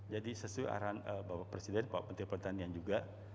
jadi sesuai arahan bapak presiden pak menteri pertanian juga